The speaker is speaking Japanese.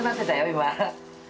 今。